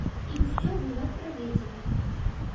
І ўсё было праведзена.